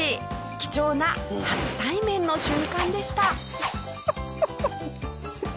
貴重な初対面の瞬間でした。